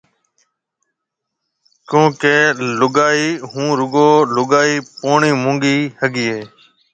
ڪيونڪہ لُگائي هون رُگو لُگائي پوڻِي مونگي هگھيَََ هيَ۔